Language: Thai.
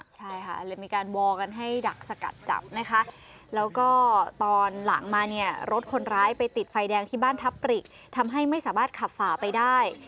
ใช่ค่ะเลยมีการวอลกันให้ดักสกัดจับนะคะแล้วก็ตอนหลังมาเนี่ยรถคนร้ายไปติดไฟแดงที่บ้านทับปริกทำให้ไม่สามารถขับฝ่าไปได้